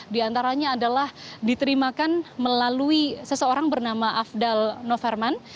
diantaranya adalah diterimakan melalui seseorang bernama afdal noverman